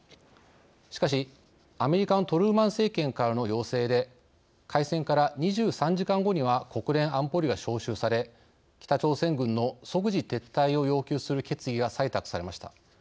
しかし、アメリカのトルーマン政権からの要請で開戦から２３時間後には国連安保理が招集され北朝鮮軍の即時撤退を要求する決議が採択されました。